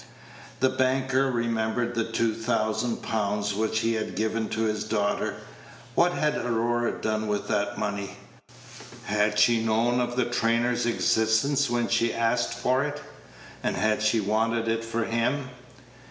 The banker remembered the two thousand pounds which he had given to his daughter. What had Aurora done with that money! Had she known of the trainer's existence when she asked for it? and had she wanted it for him?